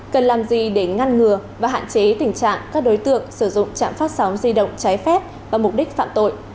cần làm gì để ngăn ngừa và hạn chế tình trạng các đối tượng sử dụng trạm phát sóng di động trái phép và mục đích phạm tội